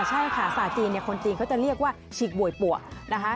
ใช่ค่ะศาสตร์จีนคนจีนเขาจะเรียกว่าชิคโบยปวะ